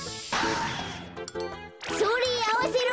それあわせろ。